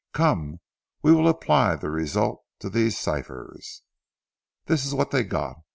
Come, we will apply the result to these ciphers." This is what they got.